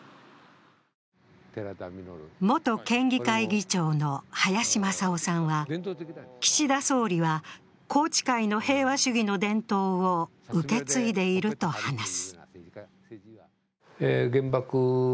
元県議会議長の林正夫さんは、岸田総理は宏池会の平和主義の伝統を受け継いでいると話す。